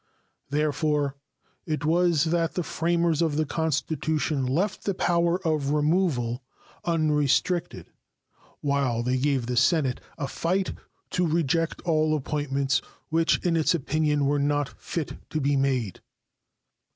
Therefore it was that the framers of the Constitution left the power of removal unrestricted, while they gave the Senate a fight to reject all appointments which in its opinion were not fit to be made.